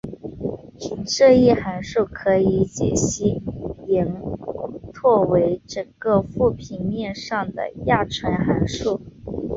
这一函数可以解析延拓为整个复平面上的亚纯函数。